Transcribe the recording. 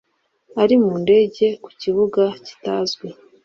ari mu ndege ku kibuga kitazwi